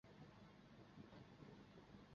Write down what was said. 录音工作也在同一场地上进行。